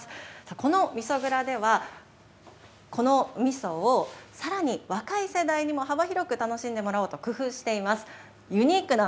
このみそ蔵では、このみそをさらに若い世代にも幅広く楽しんでもらおうと、工夫しています。